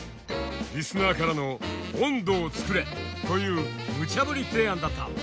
リスナーからの「音頭を作れ」というむちゃぶり提案だった。